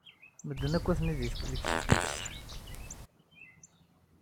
Medden akk atni deg teftist.